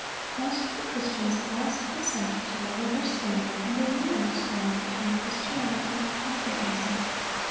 Most of the Christians at last consented to lower their standard, and a union was formed between Christianity and paganism.